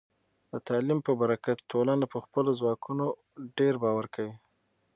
د تعلیم په برکت، ټولنه په خپلو ځواکونو ډیر باور کوي.